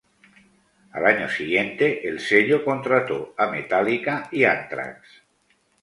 Al año siguiente, el sello contrató a Metallica y Anthrax.